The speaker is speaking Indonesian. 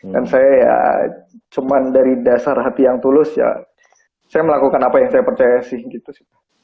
dan saya ya cuma dari dasar hati yang tulus ya saya melakukan apa yang saya percaya sih gitu sih